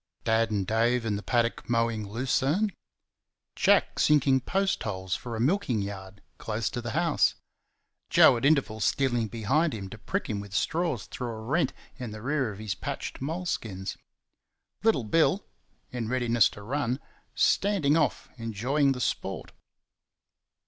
Dad and Dave in the paddock mowing lucerne. Jack sinking post holes for a milking yard close to the house. Joe at intervals stealing behind him to prick him with straws through a rent in the rear of his patched moleskins. Little Bill in readiness to run standing off, enjoying the sport.